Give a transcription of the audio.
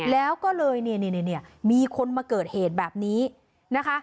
แล้วก็เลยเนี่ยมีคนมาเกิดเหตุแบบนี้นะคะ